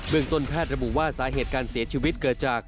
ต้นแพทย์ระบุว่าสาเหตุการเสียชีวิตเกิดจาก